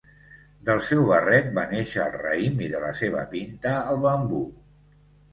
Del seu barret va néixer el raïm i de la seva pinta el bambú.